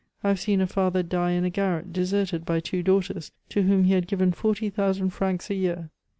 I have seen a father die in a garret, deserted by two daughters, to whom he had given forty thousand francs a year!